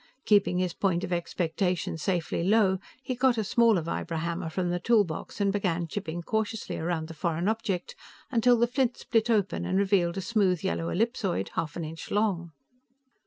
Keeping his point of expectation safely low, he got a smaller vibrohammer from the toolbox and began chipping cautiously around the foreign object, until the flint split open and revealed a smooth yellow ellipsoid, half an inch long.